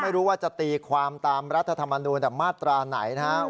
ไม่รู้ว่าจะตีความตามรัฐธรรมนูลแต่มาตราไหนนะครับ